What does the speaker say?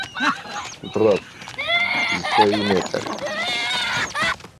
Rock", y "Heavy Metal".